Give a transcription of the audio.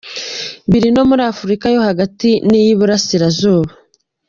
biri no muri Afurika yo hagati n’iy’Iburasirazuba.